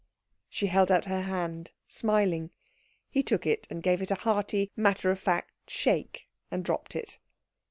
She held out her hand, smiling. He took it and gave it a hearty, matter of fact shake, and dropped it.